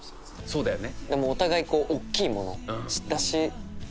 そうだよね。